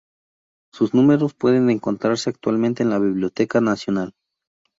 Sus números pueden encontrarse actualmente en la Biblioteca Nacional.